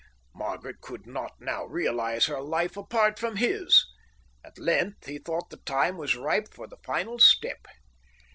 Margaret could not now realize her life apart from his. At length he thought the time was ripe for the final step.